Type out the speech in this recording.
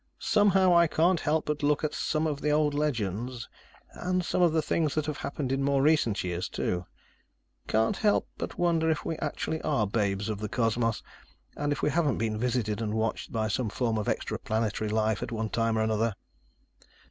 "Somehow, I can't help but look at some of the old legends and some of the things that have happened in more recent years, too. Can't help but wonder if we actually are babes of the cosmos, and if we haven't been visited and watched by some form of extra planetary life at one time or another."